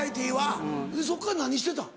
そっから何してたん？